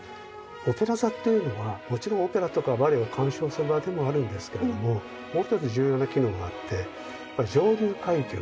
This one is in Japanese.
オペラ座っていうのはもちろんオペラとかバレエを鑑賞する場でもあるんですけれどももう一つ重要な機能があって上流階級の社交場なんですよね。